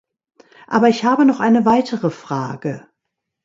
Aber ich habe noch eine weitere Frage.